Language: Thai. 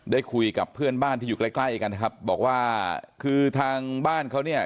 ได้คุยกับเพื่อนบ้านที่อยู่ใกล้ใกล้กันนะครับบอกว่าคือทางบ้านเขาเนี่ย